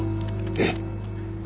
ええ。